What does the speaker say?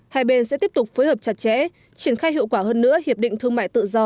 hai bên sẽ tiếp tục phối hợp chặt chẽ triển khai hiệu quả hơn nữa hiệp định thương mại tự do